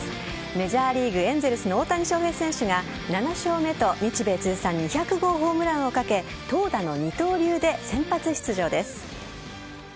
メジャーリーグ・エンゼルスの大谷翔平選手が７勝目と、日米通算２００号ホームランをかけ投打の二刀流で先発出場です。